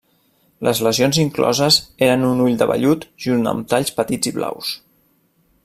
Les lesions incloses eren un ull de vellut junt amb talls petits i blaus.